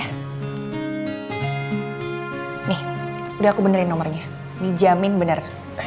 ini udah aku benerin nomornya dijamin bener